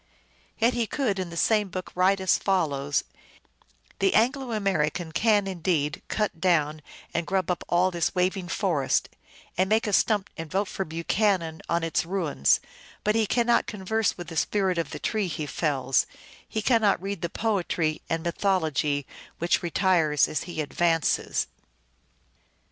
Yet he could in the same book write as follows : "The Anglo American can indeed cut down and grub up all this waving forest, and make a stump and vote for Buchanati on its ruins ; but he cannot converse with the spirit of the tretj; he fells, he cannot read the poetry and mythology which retiresi as he advances."